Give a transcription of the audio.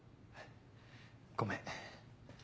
ごめん。